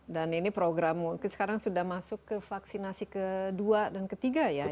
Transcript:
dan ini program mungkin sekarang sudah masuk ke vaksinasi ke dua dan ke tiga ya